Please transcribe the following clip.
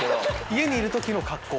家にいる時の格好？